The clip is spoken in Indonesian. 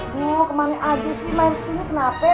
duh kemarin aja sih main kesini kenapa ya